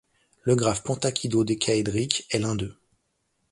Le graphe pentakidodécaédrique est l'un d'eux.